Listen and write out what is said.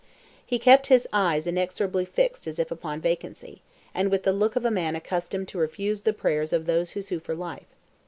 He kept his eyes inexorably fixed as if upon vacancy, and with the look of a man accustomed to refuse the prayers of those who sue for life.